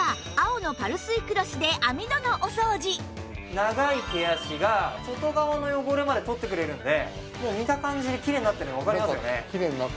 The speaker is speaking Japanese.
長い毛足が外側の汚れまで取ってくれるので見た感じできれいになってるのわかりますよね。